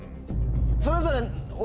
それぞれ。